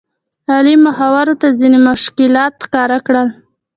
علي مخورو ته ځینې مشکلات ښکاره کړل.